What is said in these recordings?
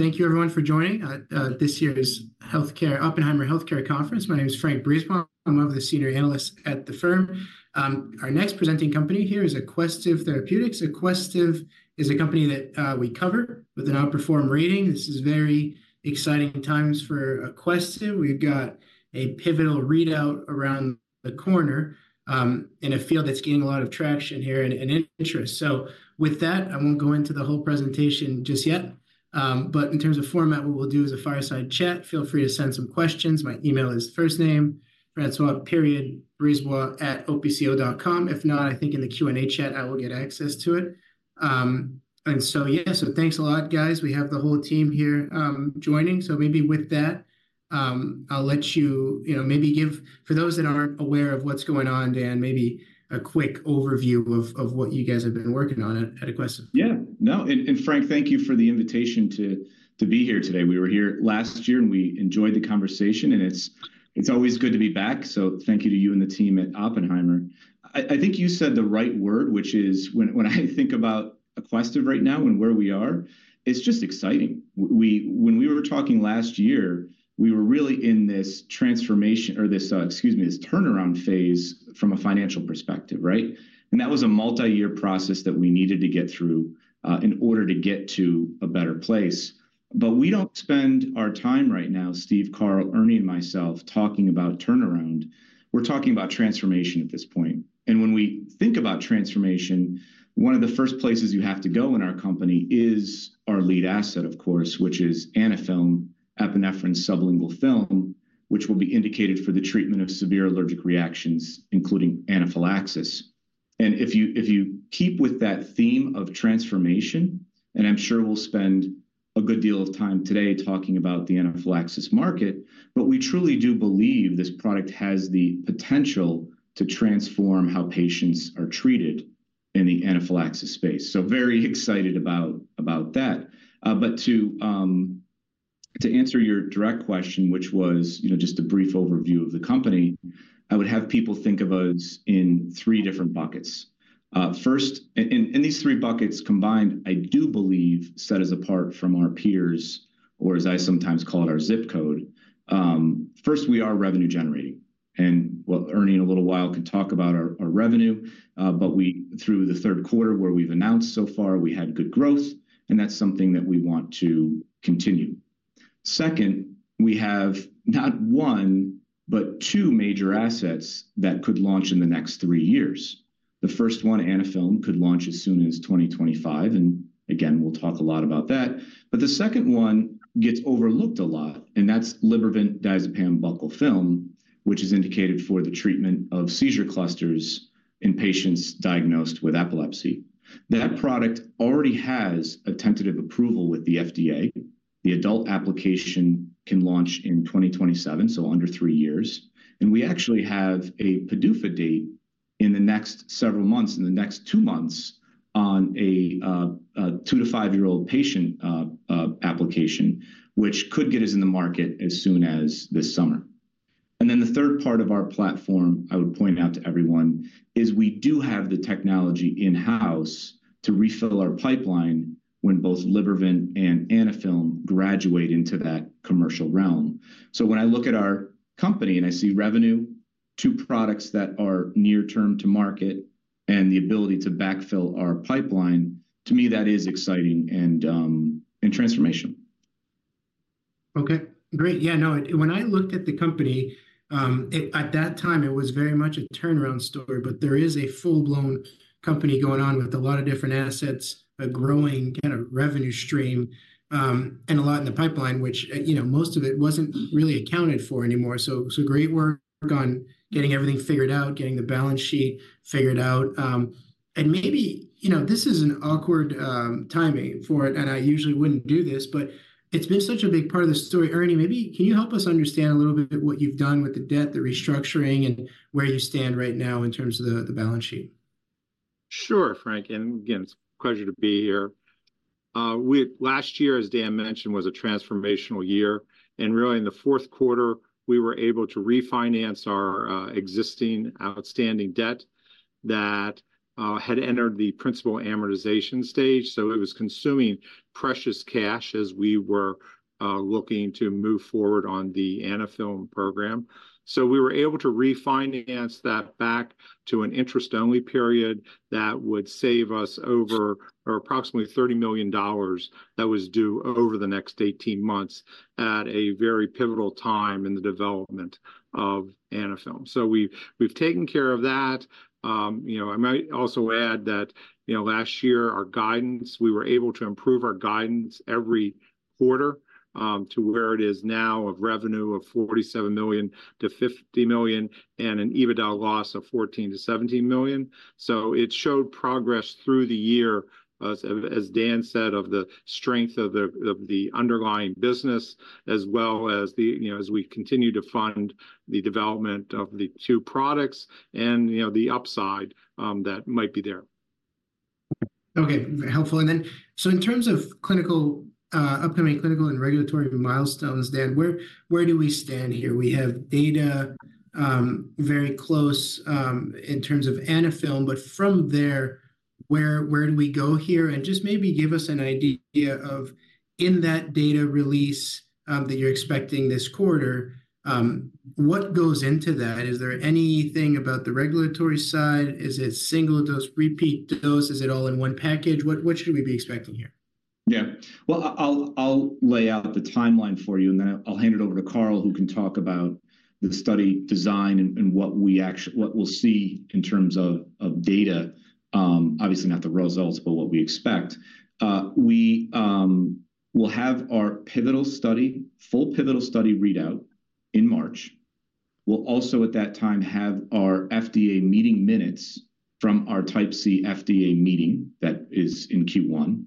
Hey, thank you everyone for joining this year's Oppenheimer Healthcare Conference. My name is Frank Brisebois. I'm one of the senior analysts at the firm. Our next presenting company here is Aquestive Therapeutics. Aquestive is a company that we cover with an outperform rating. This is very exciting times for Aquestive. We've got a pivotal readout around the corner, in a field that's gaining a lot of traction here and interest. So with that, I won't go into the whole presentation just yet, but in terms of format, what we'll do is a fireside chat. Feel free to send some questions. My email is francois.brisebois@opco.com. If not, I think in the Q&A chat I will get access to it. And so yeah, so thanks a lot, guys. We have the whole team here, joining. So maybe with that, I'll let you, you know, maybe give, for those that aren't aware of what's going on, Dan, maybe a quick overview of what you guys have been working on at Aquestive. Yeah. No, and Frank, thank you for the invitation to be here today. We were here last year, and we enjoyed the conversation, and it's always good to be back. So thank you to you and the team at Oppenheimer. I think you said the right word, which is when I think about Aquestive right now and where we are, it's just exciting. We, when we were talking last year, we were really in this transformation or this, excuse me, this turnaround phase from a financial perspective, right? And that was a multi-year process that we needed to get through, in order to get to a better place. But we don't spend our time right now, Steve, Carl, Ernie, and myself talking about turnaround. We're talking about transformation at this point. When we think about transformation, one of the first places you have to go in our company is our lead asset, of course, which is Anaphylm, epinephrine sublingual film, which will be indicated for the treatment of severe allergic reactions, including anaphylaxis. If you, if you keep with that theme of transformation, and I'm sure we'll spend a good deal of time today talking about the anaphylaxis market, but we truly do believe this product has the potential to transform how patients are treated in the anaphylaxis space. Very excited about, about that. To, to answer your direct question, which was, you know, just a brief overview of the company, I would have people think of us in three different buckets. First, these three buckets combined, I do believe, set us apart from our peers, or as I sometimes call it, our zip code. First, we are revenue generating. And, well, Ernie in a little while can talk about our, our revenue, but we through the third quarter where we've announced so far, we had good growth, and that's something that we want to continue. Second, we have not one, but two major assets that could launch in the next three years. The first one, Anaphylm, could launch as soon as 2025, and again, we'll talk a lot about that. But the second one gets overlooked a lot, and that's Libervant diazepam buccal film, which is indicated for the treatment of seizure clusters in patients diagnosed with epilepsy. That product already has a tentative approval with the FDA.The adult application can launch in 2027, so under three years. We actually have a PDUFA date in the next several months, in the next two months, on a 2-5 year old patient application, which could get us in the market as soon as this summer. Then the third part of our platform, I would point out to everyone, is we do have the technology in-house to refill our pipeline when both Libervant and Anaphylm graduate into that commercial realm. So when I look at our company and I see revenue, two products that are near-term to market, and the ability to backfill our pipeline, to me, that is exciting and transformational. Okay. Great. Yeah. No, when I looked at the company, at that time, it was very much a turnaround story, but there is a full-blown company going on with a lot of different assets, a growing kind of revenue stream, and a lot in the pipeline, which, you know, most of it wasn't really accounted for anymore. So, so great work on getting everything figured out, getting the balance sheet figured out. And maybe, you know, this is an awkward timing for it, and I usually wouldn't do this, but it's been such a big part of the story. Ernie, maybe can you help us understand a little bit what you've done with the debt, the restructuring, and where you stand right now in terms of the, the balance sheet? Sure, Frank. And again, it's a pleasure to be here. We last year, as Dan mentioned, was a transformational year. And really, in the fourth quarter, we were able to refinance our existing outstanding debt that had entered the principal amortization stage. So it was consuming precious cash as we were looking to move forward on the Anaphylm program. So we were able to refinance that back to an interest-only period that would save us over, or approximately $30 million that was due over the next 18 months at a very pivotal time in the development of Anaphylm. So we've taken care of that. You know, I might also add that, you know, last year, our guidance, we were able to improve our guidance every quarter, to where it is now of revenue of $47 million-$50 million and an EBITDA loss of $14 million-$17 million. So it showed progress through the year, as Dan said, of the strength of the underlying business as well as the, you know, as we continue to fund the development of the two products and, you know, the upside that might be there. Okay. Helpful. Then, so in terms of clinical, upcoming clinical and regulatory milestones, Dan, where, where do we stand here? We have data, very close, in terms of Anaphylm, but from there, where, where do we go here? And just maybe give us an idea of in that data release, that you're expecting this quarter, what goes into that? Is there anything about the regulatory side? Is it single dose, repeat dose? Is it all in one package? What, what should we be expecting here? Yeah. Well, I'll lay out the timeline for you, and then I'll hand it over to Carl, who can talk about the study design and what we actually we'll see in terms of data, obviously not the results, but what we expect. We'll have our pivotal study, full pivotal study readout in March. We'll also at that time have our FDA meeting minutes from our Type C FDA meeting that is in Q1.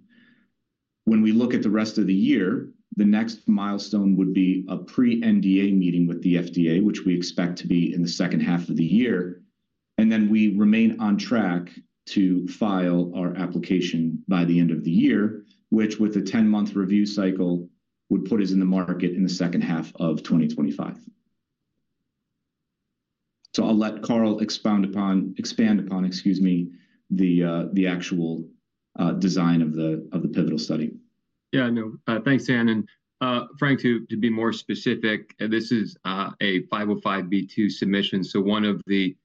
When we look at the rest of the year, the next milestone would be a pre-NDA meeting with the FDA, which we expect to be in the second half of the year. And then we remain on track to file our application by the end of the year, which with a 10-month review cycle would put us in the market in the second half of 2025.So I'll let Carl expound upon, expand upon, excuse me, the actual design of the pivotal study. Yeah. No, thanks, Dan. And, Frank, to be more specific, this is a 505(b)(2) submission. So one of the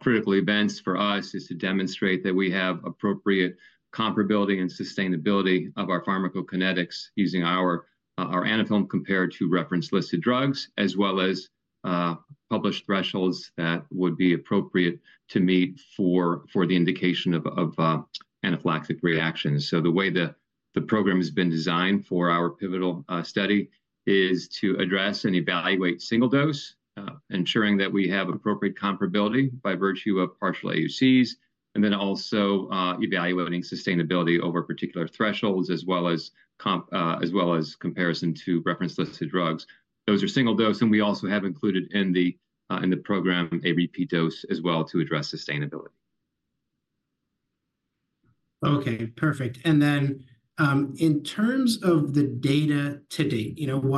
critical events for us is to demonstrate that we have appropriate comparability and sustainability of our pharmacokinetics using our Anaphylm compared to reference-listed drugs, as well as published thresholds that would be appropriate to meet for the indication of anaphylactic reactions. So the way the program has been designed for our pivotal study is to address and evaluate single dose, ensuring that we have appropriate comparability by virtue of partial AUCs, and then also evaluating sustainability over particular thresholds as well as comparison to reference-listed drugs. Those are single doses. And we also have included in the program a repeat dose as well to address sustainability. Okay. Perfect. And then, in terms of the data to date, you know,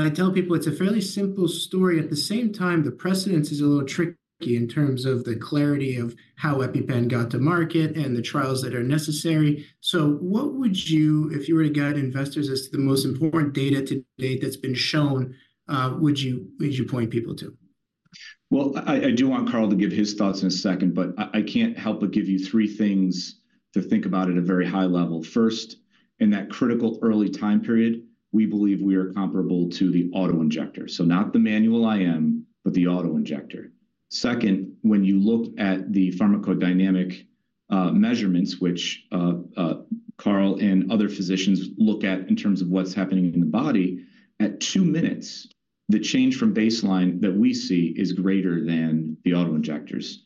I tell people it's a fairly simple story. At the same time, the precedence is a little tricky in terms of the clarity of how EpiPen got to market and the trials that are necessary. So what would you, if you were to guide investors as to the most important data to date that's been shown, point people to? Well, I do want Carl to give his thoughts in a second, but I can't help but give you three things to think about at a very high level. First, in that critical early time period, we believe we are comparable to the autoinjector. So not the manual IM, but the autoinjector. Second, when you look at the pharmacodynamic measurements, which Carl and other physicians look at in terms of what's happening in the body, at 2 minutes, the change from baseline that we see is greater than the autoinjectors.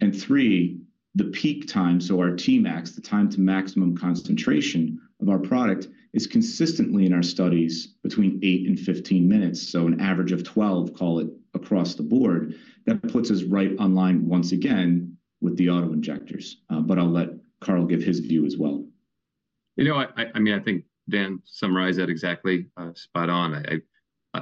And three, the peak time, so our TMAX, the time to maximum concentration of our product, is consistently in our studies between 8-15 minutes. So an average of 12, call it across the board, that puts us right on line once again with the autoinjectors. But I'll let Carl give his view as well. You know, I mean, I think Dan summarized that exactly, spot on.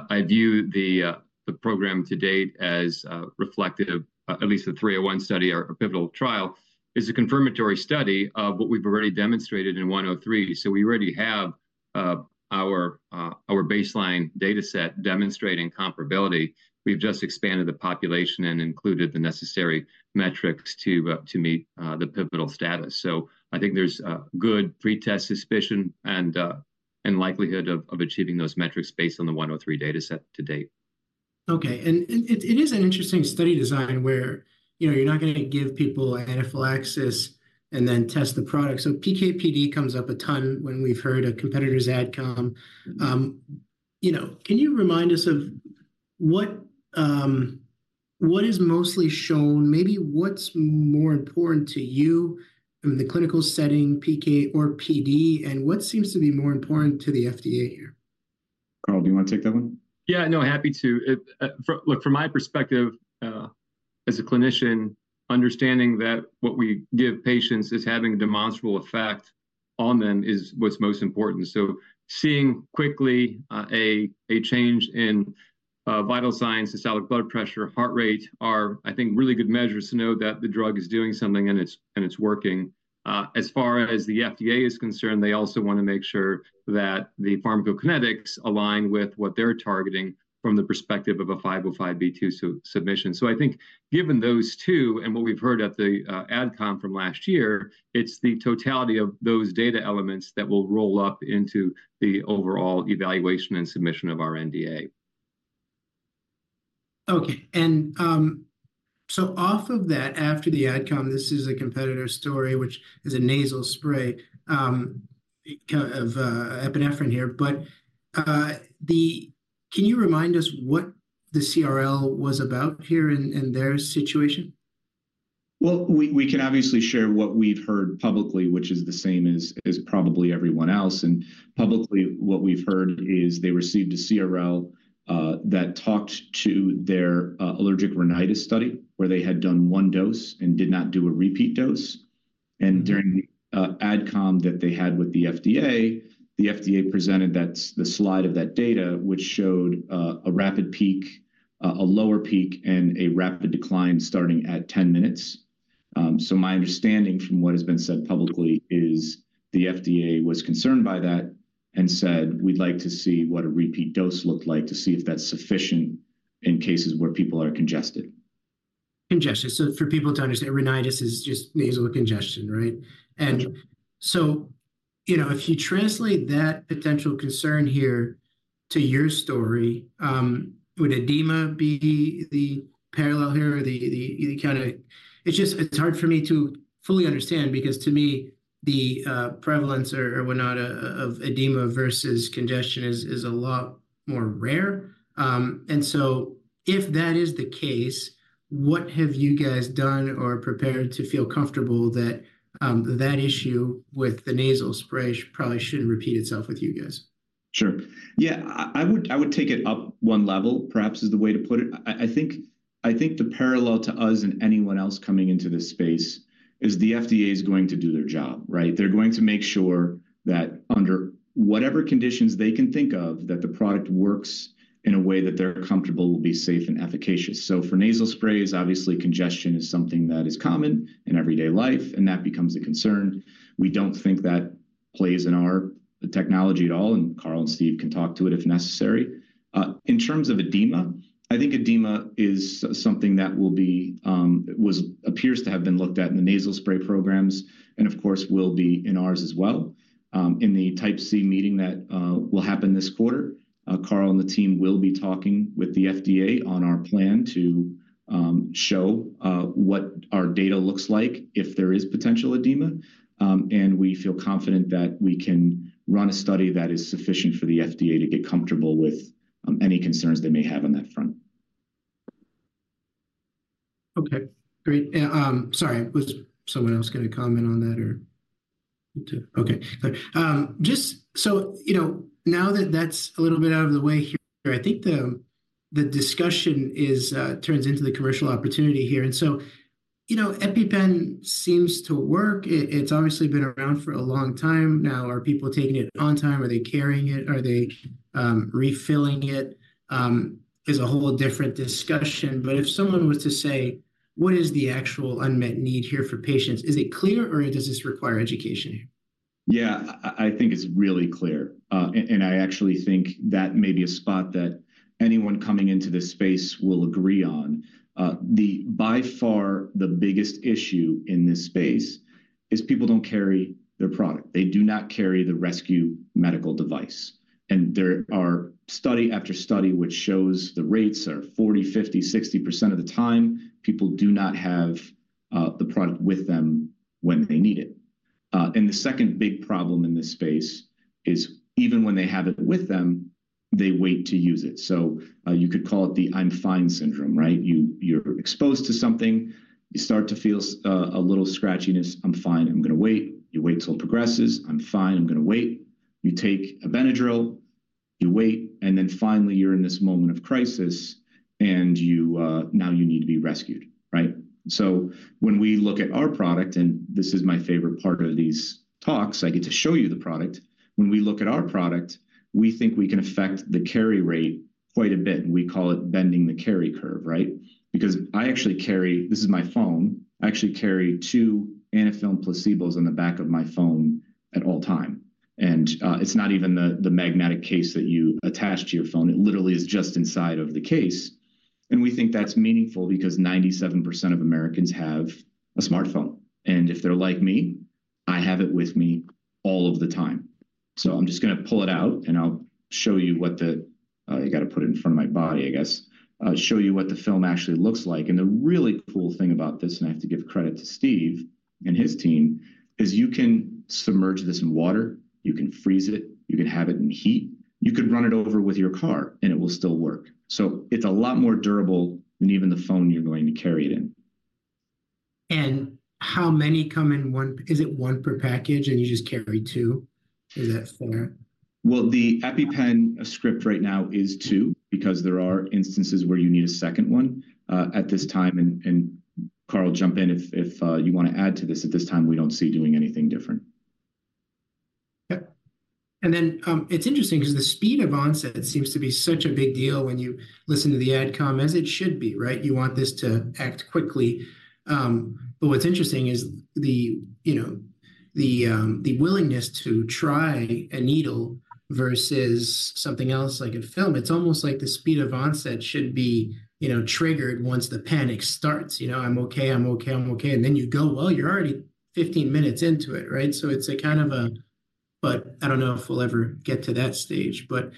I view the program to date as reflective, at least the 301 study or pivotal trial is a confirmatory study of what we've already demonstrated in 103. So we already have our baseline data set demonstrating comparability. We've just expanded the population and included the necessary metrics to meet the pivotal status. So I think there's good pretest suspicion and likelihood of achieving those metrics based on the 103 data set to date. Okay. And it is an interesting study design where, you know, you're not going to give people anaphylaxis and then test the product. So PK/PD comes up a ton when we've heard a competitor's AdCom. You know, can you remind us of what is mostly shown? Maybe what's more important to you in the clinical setting, PK or PD, and what seems to be more important to the FDA here? Carl, do you want to take that one? Yeah. No, happy to. Look, from my perspective, as a clinician, understanding that what we give patients is having a demonstrable effect on them is what's most important. So seeing quickly a change in vital signs, systolic blood pressure, heart rate, are, I think, really good measures to know that the drug is doing something and it's working. As far as the FDA is concerned, they also want to make sure that the pharmacokinetics align with what they're targeting from the perspective of a 505(b)(2) submission. So I think given those two and what we've heard at the AdCom from last year, it's the totality of those data elements that will roll up into the overall evaluation and submission of our NDA. Okay. And so off of that, after the AdCom, this is a competitor story, which is a nasal spray, kind of, epinephrine here. But can you remind us what the CRL was about here in their situation? Well, we can obviously share what we've heard publicly, which is the same as probably everyone else. Publicly, what we've heard is they received a CRL that talked to their allergic rhinitis study where they had done one dose and did not do a repeat dose. During the AdCom that they had with the FDA, the FDA presented the slide of that data, which showed a rapid peak, a lower peak, and a rapid decline starting at 10 minutes. So my understanding from what has been said publicly is the FDA was concerned by that and said, "We'd like to see what a repeat dose looked like, to see if that's sufficient in cases where people are congested. Congestion. So for people to understand, rhinitis is just nasal congestion, right? And so, you know, if you translate that potential concern here to your story, would edema be the parallel here or the kind of it's just it's hard for me to fully understand because to me, the prevalence or whatnot of edema versus congestion is a lot more rare. And so if that is the case, what have you guys done or prepared to feel comfortable that that issue with the nasal spray probably shouldn't repeat itself with you guys? Sure. Yeah. I would take it up one level, perhaps, is the way to put it. I think the parallel to us and anyone else coming into this space is the FDA is going to do their job, right? They're going to make sure that under whatever conditions they can think of, that the product works in a way that they're comfortable, will be safe and efficacious. So for nasal sprays, obviously, congestion is something that is common in everyday life, and that becomes a concern. We don't think that plays in our technology at all, and Carl and Steve can talk to it if necessary. In terms of edema, I think edema is something that will be, was appears to have been looked at in the nasal spray programs, and of course, will be in ours as well.In the Type C meeting that will happen this quarter, Carl and the team will be talking with the FDA on our plan to show what our data looks like if there is potential edema. And we feel confident that we can run a study that is sufficient for the FDA to get comfortable with any concerns they may have on that front. Okay. Great. And, sorry, was someone else going to comment on that or? Okay. Just so, you know, now that that's a little bit out of the way here, I think the discussion turns into the commercial opportunity here. And so, you know, EpiPen seems to work. It's obviously been around for a long time now. Are people taking it on time? Are they carrying it? Are they refilling it? Is a whole different discussion. But if someone was to say, what is the actual unmet need here for patients? Is it clear or does this require education here? Yeah. I think it's really clear. And I actually think that may be a spot that anyone coming into this space will agree on. By far the biggest issue in this space is people don't carry their product. They do not carry the rescue medical device. And there are study after study which shows the rates are 40%, 50%, 60% of the time, people do not have the product with them when they need it. And the second big problem in this space is even when they have it with them, they wait to use it. So, you could call it the I'm fine syndrome, right? You're exposed to something, you start to feel a little scratchiness. I'm fine. I'm going to wait. You wait till it progresses. I'm fine. I'm going to wait. You take a Benadryl. You wait. And then finally, you're in this moment of crisis and you now you need to be rescued, right? So when we look at our product, and this is my favorite part of these talks, I get to show you the product. When we look at our product, we think we can affect the carry rate quite a bit. And we call it bending the carry curve, right? Because I actually carry this is my phone. I actually carry two Anaphylm placebos on the back of my phone at all times. And it's not even the magnetic case that you attach to your phone. It literally is just inside of the case. And we think that's meaningful because 97% of Americans have a smartphone. And if they're like me, I have it with me all of the time. So I'm just going to pull it out and I'll show you what the—you got to put it in front of my body, I guess—show you what the film actually looks like. And the really cool thing about this, and I have to give credit to Steve and his team, is you can submerge this in water. You can freeze it. You can have it in heat. You could run it over with your car and it will still work. So it's a lot more durable than even the phone you're going to carry it in. How many come in one? Is it one per package and you just carry two? Is that fair? Well, the EpiPen script right now is two because there are instances where you need a second one, at this time. And Carl, jump in if you want to add to this. At this time, we don't see doing anything different. Okay. And then, it's interesting because the speed of onset seems to be such a big deal when you listen to the AdCom as it should be, right? You want this to act quickly. But what's interesting is the, you know, the willingness to try a needle versus something else like a film. It's almost like the speed of onset should be, you know, triggered once the panic starts. You know, I'm okay. I'm okay. I'm okay. And then you go, well, you're already 15 minutes into it, right? So it's a kind of a, but I don't know if we'll ever get to that stage, but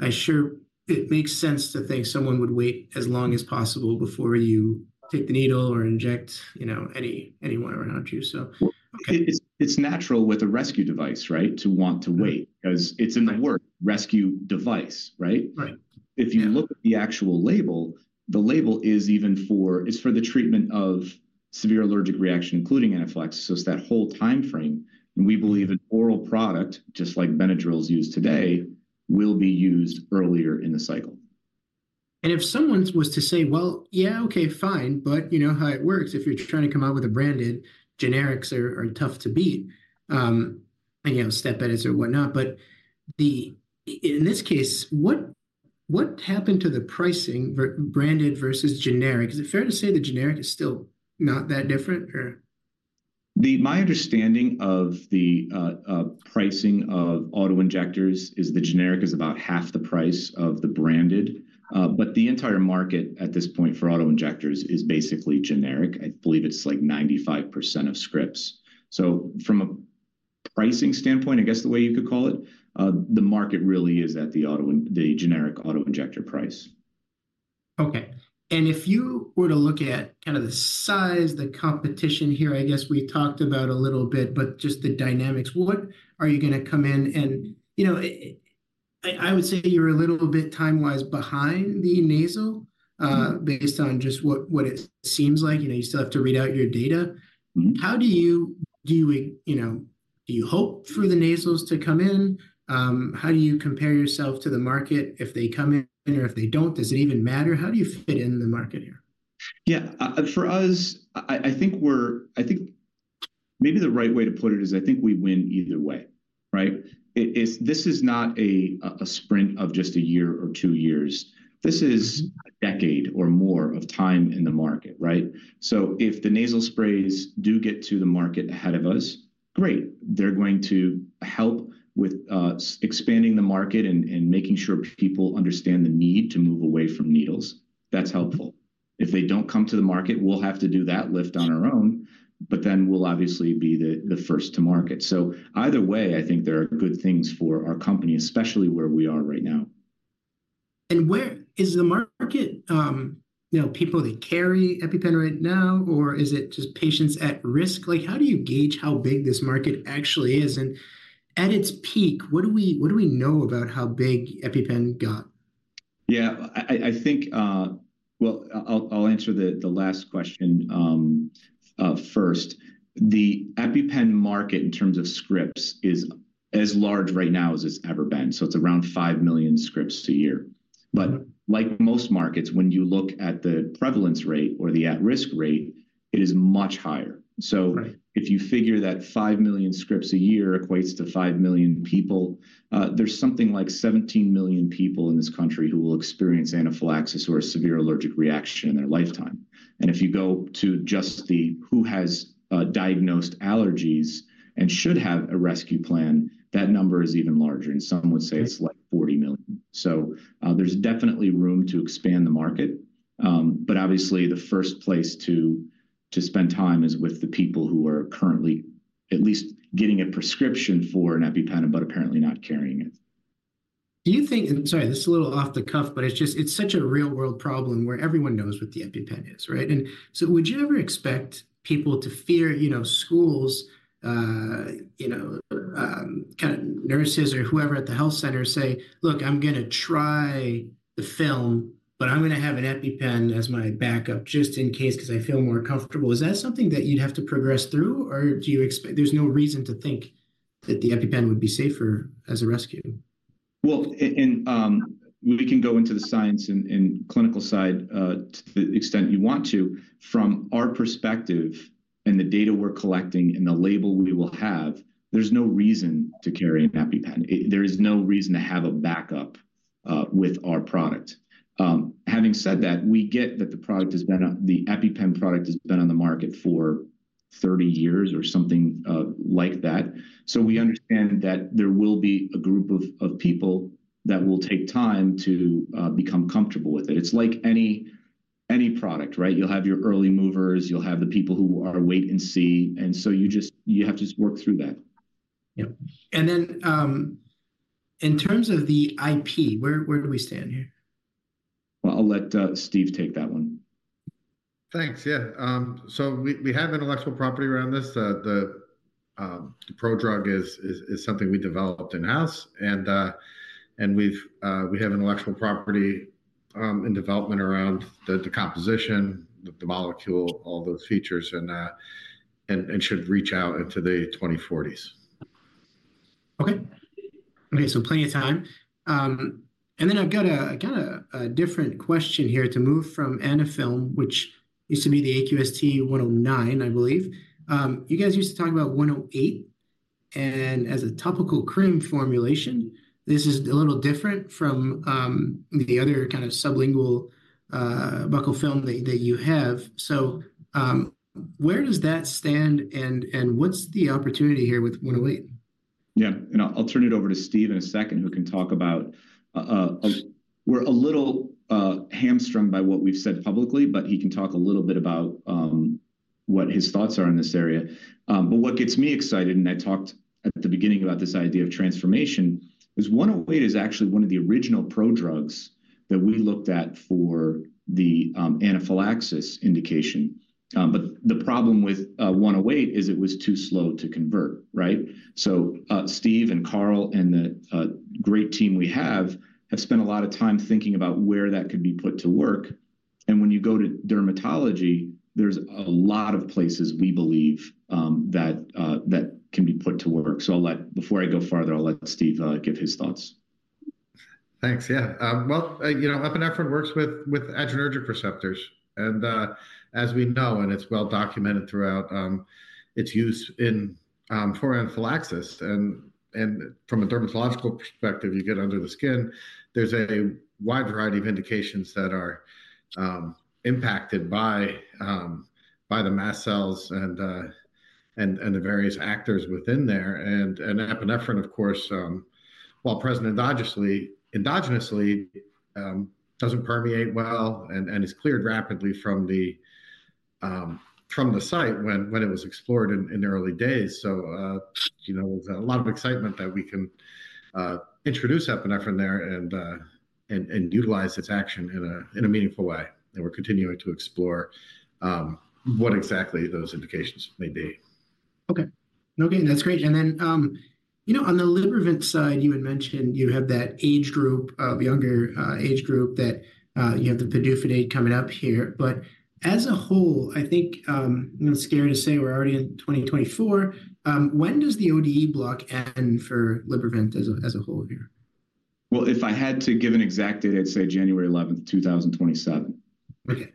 I sure it makes sense to think someone would wait as long as possible before you take the needle or inject, you know, any, anyone around you. So, okay. It's natural with a rescue device, right, to want to wait because it's in the word rescue device, right? Right. If you look at the actual label, the label is for the treatment of severe allergic reaction, including anaphylaxis. So it's that whole timeframe. And we believe an oral product, just like Benadryl is used today, will be used earlier in the cycle. If someone was to say, well, yeah, okay, fine, but you know how it works. If you're trying to come out with a branded, generics are tough to beat, and you know, step edits or whatnot. But in this case, what happened to the pricing branded versus generic? Is it fair to say the generic is still not that different or? My understanding of the pricing of autoinjectors is the generic is about half the price of the branded. But the entire market at this point for autoinjectors is basically generic. I believe it's like 95% of scripts. So from a pricing standpoint, I guess the way you could call it, the market really is at the auto, the generic autoinjector price. Okay. And if you were to look at kind of the size, the competition here, I guess we talked about a little bit, but just the dynamics, what are you going to come in and, you know, I would say you're a little bit time-wise behind the nasal, based on just what it seems like. You know, you still have to read out your data. How do you, do you, you know, do you hope for the nasals to come in? How do you compare yourself to the market if they come in or if they don't? Does it even matter? How do you fit in the market here? Yeah. For us, I think maybe the right way to put it is I think we win either way, right? It's this is not a sprint of just a year or two years. This is a decade or more of time in the market, right? So if the nasal sprays do get to the market ahead of us, great. They're going to help with expanding the market and making sure people understand the need to move away from needles. That's helpful. If they don't come to the market, we'll have to do that lift on our own. But then we'll obviously be the first to market. So either way, I think there are good things for our company, especially where we are right now. Where is the market, you know, people that carry EpiPen right now, or is it just patients at risk? Like, how do you gauge how big this market actually is? At its peak, what do we, what do we know about how big EpiPen got? Yeah. I think, well, I'll answer the last question first. The EpiPen market in terms of scripts is as large right now as it's ever been. So it's around 5 million scripts a year. But like most markets, when you look at the prevalence rate or the at-risk rate, it is much higher. So if you figure that 5 million scripts a year equates to 5 million people, there's something like 17 million people in this country who will experience anaphylaxis or a severe allergic reaction in their lifetime. And if you go to just those who have diagnosed allergies and should have a rescue plan, that number is even larger. And some would say it's like 40 million. So, there's definitely room to expand the market. Obviously the first place to spend time is with the people who are currently at least getting a prescription for an EpiPen but apparently not carrying it. Do you think, and sorry, this is a little off the cuff, but it's just, it's such a real-world problem where everyone knows what the EpiPen is, right? And so would you ever expect people to fear, you know, schools, you know, kind of nurses or whoever at the health center say, "Look, I'm going to try the film, but I'm going to have an EpiPen as my backup just in case because I feel more comfortable"? Is that something that you'd have to progress through, or do you expect there's no reason to think that the EpiPen would be safer as a rescue? Well, we can go into the science and clinical side, to the extent you want to. From our perspective and the data we're collecting and the label we will have, there's no reason to carry an EpiPen. There is no reason to have a backup, with our product. Having said that, we get that the EpiPen product has been on the market for 30 years or something, like that. So we understand that there will be a group of people that will take time to become comfortable with it. It's like any product, right? You'll have your early movers. You'll have the people who are wait and see. So you just have to work through that. Yep. And then, in terms of the IP, where, where do we stand here? Well, I'll let Steve take that one. Thanks. Yeah. So we have intellectual property around this. The prodrug is something we developed in-house. And we have intellectual property in development around the composition, the molecule, all those features, and should reach out into the 2040s. Okay. Okay. So plenty of time. And then I've got a kind of a different question here to move from Anaphylm, which used to be the AQST-109, I believe. You guys used to talk about 108. And as a topical cream formulation, this is a little different from the other kind of sublingual, buccal film that you have. So, where does that stand and what's the opportunity here with 108? Yeah. And I'll, I'll turn it over to Steve in a second who can talk about, we're a little hamstrung by what we've said publicly, but he can talk a little bit about what his thoughts are in this area. But what gets me excited, and I talked at the beginning about this idea of transformation, is 108 is actually one of the original prodrugs that we looked at for the anaphylaxis indication. But the problem with 108 is it was too slow to convert, right? So Steve and Carl and the great team we have have spent a lot of time thinking about where that could be put to work. And when you go to dermatology, there's a lot of places we believe that that can be put to work. So, before I go farther, I'll let Steve give his thoughts. Thanks. Yeah. Well, you know, epinephrine works with adrenergic receptors. And, as we know, it's well documented throughout its use in for anaphylaxis. And from a dermatological perspective, you get under the skin, there's a wide variety of indications that are impacted by the mast cells and the various factors within there. And epinephrine, of course, while present endogenously, doesn't permeate well and is cleared rapidly from the site when it was explored in the early days. So, you know, there's a lot of excitement that we can introduce epinephrine there and utilize its action in a meaningful way. And we're continuing to explore what exactly those indications may be. Okay. Okay. That's great. And then, you know, on the Libervant side, you had mentioned you have that age group of younger, age group that, you have the Valtoco coming up here. But as a whole, I think, you know, scary to say we're already in 2024. When does the ODE block end for Libervant as a, as a whole here? Well, if I had to give an exact date, I'd say January 11th, 2027. Okay.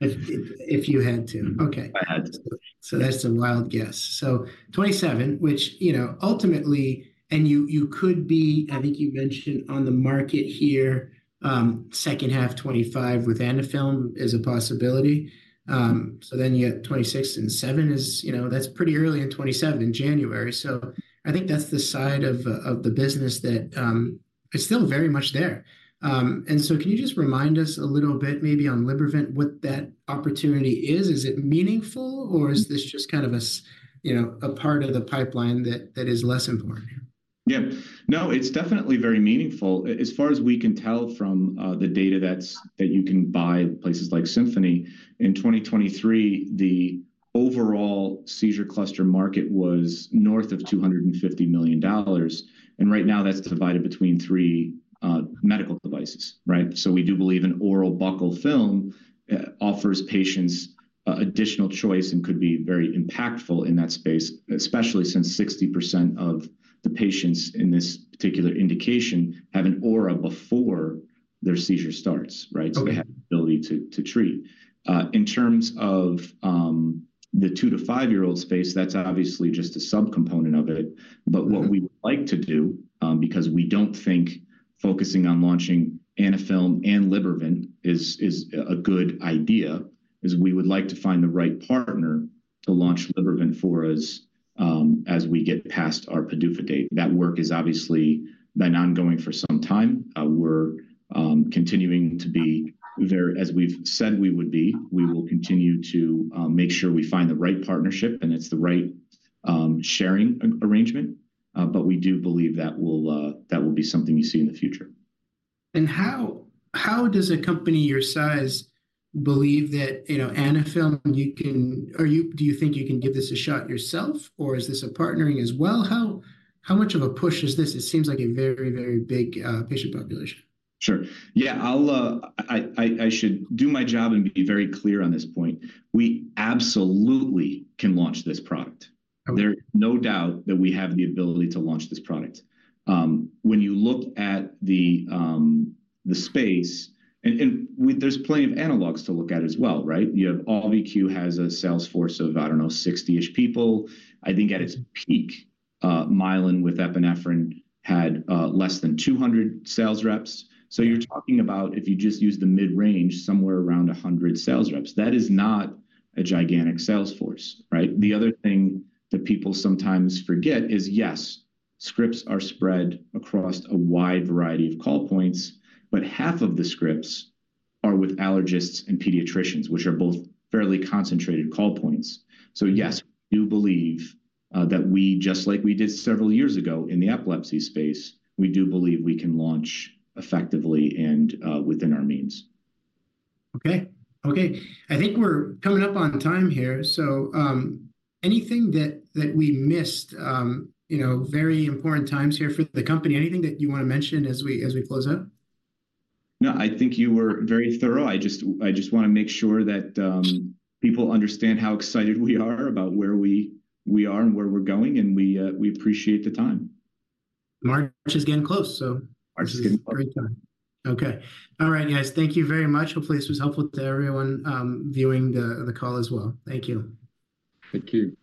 If you had to. Okay. I had to. So that's a wild guess. So 2027, which, you know, ultimately, and you, you could be, I think you mentioned on the market here, second half 2025 with Anaphylm is a possibility. So then you have 2026 and 2027 is, you know, that's pretty early in 2027, January. So I think that's the side of, of the business that, it's still very much there. And so can you just remind us a little bit maybe on Libervant what that opportunity is? Is it meaningful, or is this just kind of a, you know, a part of the pipeline that, that is less important? Yeah. No, it's definitely very meaningful. As far as we can tell from the data that you can buy places like Symphony, in 2023, the overall seizure cluster market was north of $250 million. And right now, that's divided between three medical devices, right? So we do believe an oral buccal film offers patients additional choice and could be very impactful in that space, especially since 60% of the patients in this particular indication have an aura before their seizure starts, right? So they have the ability to treat in terms of the two- to five-year-old space, that's obviously just a subcomponent of it. But what we would like to do, because we don't think focusing on launching Anaphylm and Libervant is a good idea, is we would like to find the right partner to launch Libervant for us, as we get past our PDUFA date. That work is obviously been ongoing for some time. We're continuing to be there, as we've said we would be. We will continue to make sure we find the right partnership and it's the right sharing arrangement. But we do believe that will, that will be something you see in the future. How, how does a company your size believe that, you know, Anaphylm, you can, are you, do you think you can give this a shot yourself, or is this a partnering as well? How, how much of a push is this? It seems like a very, very big patient population. Sure. Yeah. I should do my job and be very clear on this point. We absolutely can launch this product. There's no doubt that we have the ability to launch this product. When you look at the space, and we, there's plenty of analogs to look at as well, right? You have Auvi-Q has a sales force of, I don't know, 60-ish people. I think at its peak, Mylan with epinephrine had less than 200 sales reps. So you're talking about if you just use the mid-range, somewhere around 100 sales reps. That is not a gigantic sales force, right? The other thing that people sometimes forget is, yes, scripts are spread across a wide variety of call points, but half of the scripts are with allergists and pediatricians, which are both fairly concentrated call points. So yes, we do believe that we, just like we did several years ago in the epilepsy space, we do believe we can launch effectively and within our means. Okay. Okay. I think we're coming up on time here. So, anything that, that we missed, you know, very important times here for the company, anything that you want to mention as we, as we close out? No, I think you were very thorough. I just want to make sure that people understand how excited we are about where we are and where we're going. And we appreciate the time. March is getting close, so. March is getting close. Great time. Okay. All right, guys. Thank you very much. Hopefully, this was helpful to everyone viewing the call as well. Thank you. Thank you.